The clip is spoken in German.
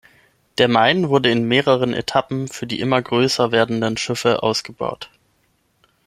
Der Main wurde in mehreren Etappen für die immer größer werdenden Schiffe ausgebaut.